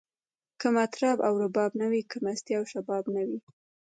که مطرب او رباب نه وی، که مستی او شباب نه وی